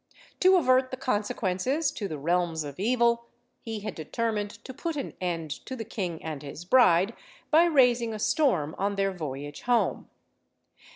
To avert the consequences to the realms of evil, he had determined to put an end to the king and his bride by raising a storm on their voyage home.